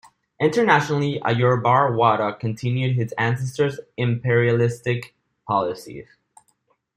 Internationally, Ayurbarwada continued his ancestors' imperialistic policies.